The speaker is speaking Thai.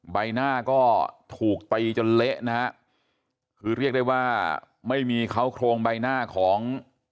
ใบหน้าก็ถูกตีจนเละนะฮะคือเรียกได้ว่าไม่มีเขาโครงใบหน้าของ